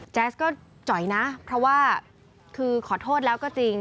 แจ๊สก็จ่อยนะเพราะว่าคือขอโทษแล้วก็จริง